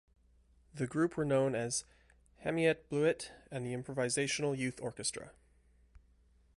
The group were known as Hamiet Bluiett and the Improvisational Youth Orchestra.